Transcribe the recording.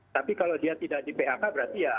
tapi kalau dia tidak di phk berarti ya